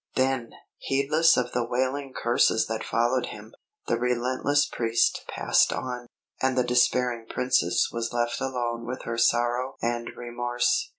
Then, heedless of the wailing curses that followed him, the relentless Priest passed on, and the despairing Princess was left alone with her sorrow and remorse.